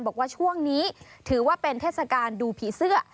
บอกว่าช่วงนี้ถือว่าเป็นเทศกาลดูผีเสื้อ